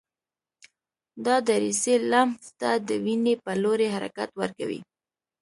دا دریڅې لمف ته د وینې په لوري حرکت ورکوي.